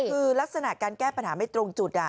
คือลักษณะการแก้ปัญหาไม่ตรงจุด